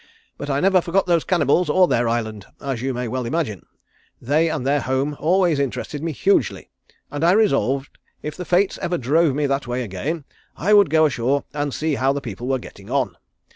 But I never forgot those cannibals or their island, as you may well imagine. They and their home always interested me hugely and I resolved if the fates ever drove me that way again, I would go ashore and see how the people were getting on.